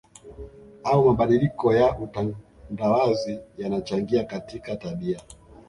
au mabadiliko ya utandawazi yanachangia katika tabia